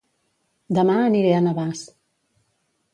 Dema aniré a Navàs